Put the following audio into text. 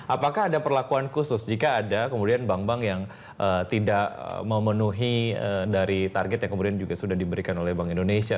apakah ada perlakuan khusus jika ada kemudian bank bank yang tidak memenuhi dari target yang kemudian juga sudah diberikan oleh bank indonesia